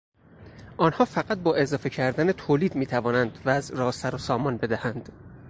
آنها فقط با اضافه کردن تولید میتوانند وضع را سروسامان بدهند.